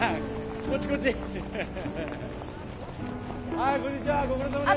はいこんにちはご苦労さまです。